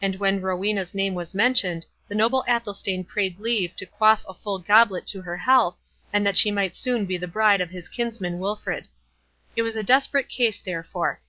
And when Rowena's name was mentioned the noble Athelstane prayed leave to quaff a full goblet to her health, and that she might soon be the bride of his kinsman Wilfred. It was a desperate case therefore.